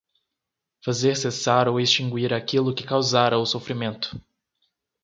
Fazer cessar ou extinguir aquilo que causara o sofrimento